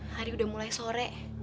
hari sudah mulai sore